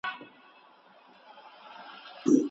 سیاست کې د باور له لاسه ورکول تجربه شوي دي.